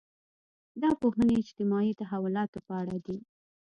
دا پوهنې اجتماعي تحولاتو په اړه دي.